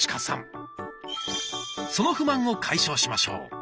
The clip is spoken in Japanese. その不満を解消しましょう。